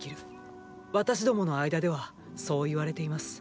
私どもの間ではそう言われています。